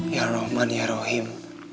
ya rahman ya rahim